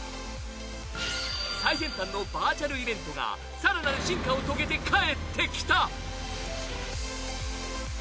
最先端のバーチャルイベントがさらなる進化を遂げて帰ってきた。